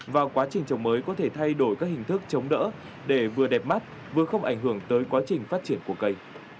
và quá trình trồng mới có thể thay đổi các hình thức chống đỡ để vừa đẹp mắt vừa không ảnh hưởng tới quá trình phát triển của cây